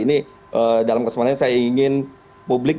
ini dalam kesempatan ini saya ingin publik